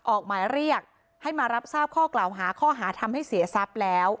ออกหมายเรียกให้มารับทราบข้อกล่าวหาข้อหาทำให้เสียทรัพย์แล้ว